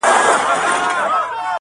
د خیر تمه به نه کوی له تورو خړو وریځو -